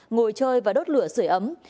ngồi chơi và đốt lửa sửa ấm